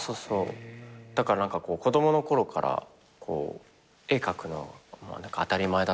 だから子供の頃から絵描くのが当たり前だったから。